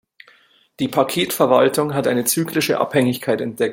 Die Paketverwaltung hat eine zyklische Abhängigkeit entdeckt.